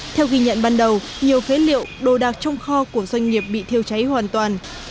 theo ghi nhận ban đầu nhiều phế liệu đồ đạc trong kho của doanh nghiệp bị thiêu cháy hoàn toàn